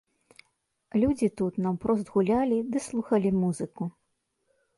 Людзі тут наўпрост гулялі ды слухалі музыку.